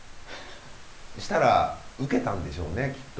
したらウケたんでしょうねきっと。